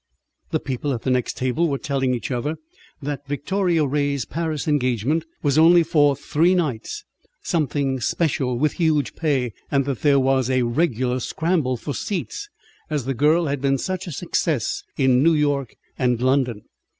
The people at the next table were telling each other that Victoria Ray's Paris engagement was only for three nights, something special, with huge pay, and that there was a "regular scramble" for seats, as the girl had been such a success in New York and London.